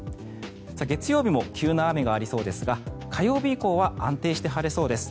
月曜日も急な雨がありそうですが火曜日以降は安定して晴れそうです。